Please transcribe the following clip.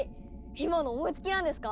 今の思いつきなんですか？